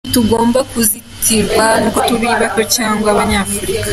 Ntitugomba kuzitirwa n’uko turi bato cyangwa Abanyafurika.